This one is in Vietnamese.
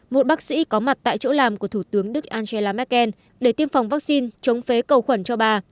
một bác sĩ có mặt tại chỗ làm của thủ tướng đức angela merkel để tiêm phòng vaccine chống phế cầu khuẩn cho bà